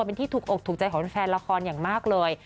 เป็นที่ถูกอกถูกใจของแฟนละครอย่างมากเลย